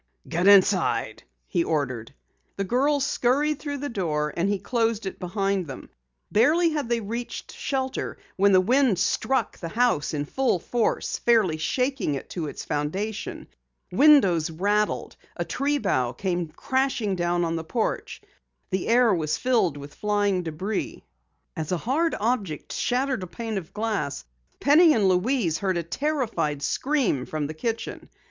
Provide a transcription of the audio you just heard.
"Get inside!" he ordered. The girls scurried through the door and he closed it behind them. Barely had they reached shelter when the wind struck the house in full force, fairly shaking it to its foundation. Windows rattled, a tree bough came crashing down on the porch, the air was filled with flying debris. As a hard object shattered a pane of glass, Penny and Louise heard a terrified scream from the kitchen.